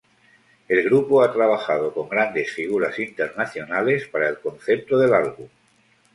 El grupo ha trabajado con grandes figuras internacionales para el concepto del álbum.